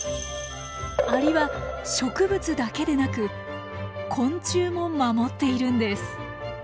アリは植物だけでなく昆虫も守っているんです。